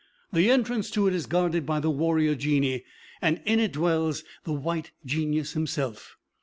The entrance to it is guarded by warrior Genii, and in it dwells the White Genius himself.